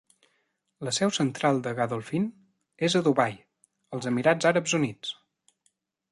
La seu central de Godolphin és a Dubai, als Emirats Àrabs Units.